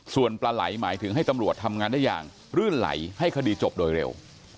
ส่วนปลาไหลหมายถึงให้ตำรวจทำงานได้อย่างรื่นไหลให้คดีจบโดยเร็ว